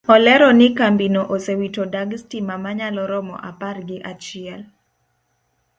Olero ni kambino osewito dag stima manyalo romo apar gi achiel